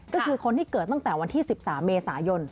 ก็คือคนที่เกิดตั้งแต่วันที่๑๓เมษายน